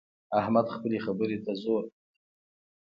احمد خپلې خبرې ته زور کوي.